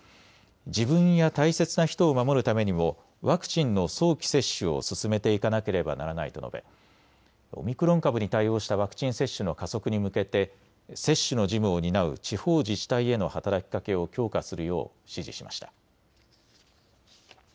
自分や大切な人を守るためにもワクチンの早期接種を進めていかなければならないと述べオミクロン株に対応したワクチン接種の加速に向けて接種の事務を担う地方自治体への働きかけを強化するよう指示しました。